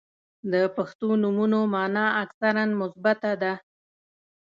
• د پښتو نومونو مانا اکثراً مثبته ده.